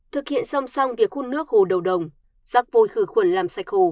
thực hiện song song việc hút nước hồ đầu đồng rác vôi khử khuẩn làm sạch hồ